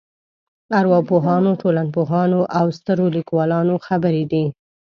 ارواپوهانو ټولنپوهانو او سترو لیکوالانو خبرې دي.